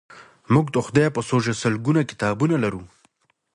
موږ د خدای په سوژه لسګونه کتابونه لرو.